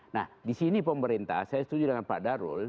nah di sini pemerintah saya setuju dengan pak darul